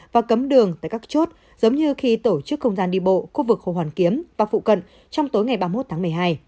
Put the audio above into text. và cấm đường tại các chốt giống như khi tổ chức không gian đi bộ khu vực hồ hoàn kiếm và phụ cận trong tối ngày ba mươi một tháng một mươi hai